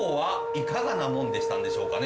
いかがなもんでしたんでしょうかね？